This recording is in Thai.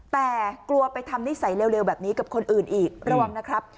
แต่กลัวไปทำนิสัยเร็วแบบนี้กับคนอื่นอีกระวังนะครับ